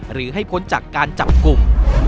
หรือให้พ้นจากการจับกลุ่ม